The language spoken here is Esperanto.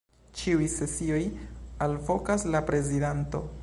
Ĉiuj sesioj alvokas la prezidanto.